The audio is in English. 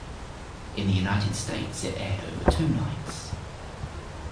In the United States, it aired over two nights.